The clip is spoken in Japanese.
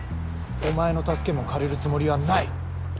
お前の助けも借りるつもりはない。